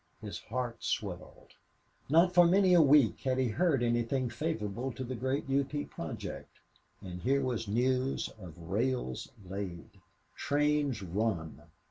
His heart swelled. Not for many a week had he heard anything favorable to the great U. P. project, and here was news of rails laid, trains run.